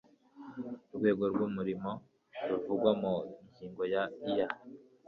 rwego rw umurimo ruvugwa mu ngingo ya iya